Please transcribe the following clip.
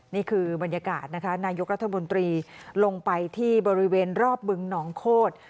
นี่คือบรรยากาศนะคะนายกรัฐมนตรีลงไปที่บริเวณรอบบึงหนองโคตร